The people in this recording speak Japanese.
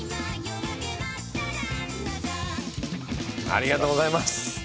ありがとうございます！